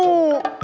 lu gue suruh mau